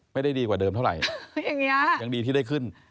ไม่ได้ดีกว่าเดิมเท่าไหร่ยังดีที่ได้ขึ้น